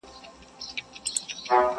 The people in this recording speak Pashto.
o خواره زه وم، په خوار کلي واده وم٫